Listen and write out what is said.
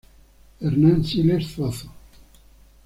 Hernan Siles Zuazo".